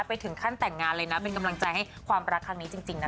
ไปถึงขั้นแต่งงานเลยนะเป็นกำลังใจให้ความรักครั้งนี้จริงนะ